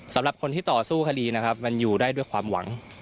สำหรับคนที่ต่อสู้คดีนะครับมันอยู่ได้ด้วยความหวัง